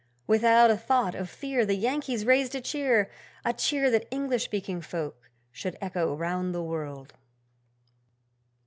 Without a thought of fear The Yankees raised a cheer A cheer that English speaking folk should echo round the world.